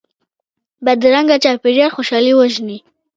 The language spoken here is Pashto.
بدرنګه چاپېریال خوشحالي وژني